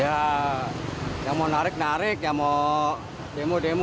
ya yang mau narik narik yang mau demo demo